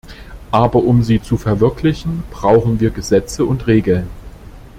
Aber um sie zu verwirklichen, brauchen wir Gesetze und Regeln.